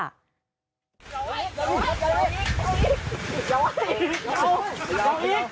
เอาอีกอะอีก